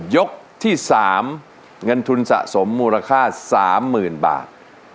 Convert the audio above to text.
ยกที่๓เงินทุนสะสมมูลค่า๓๐๐๐บาท